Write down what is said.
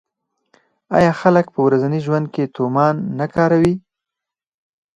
آیا خلک په ورځني ژوند کې تومان نه کاروي؟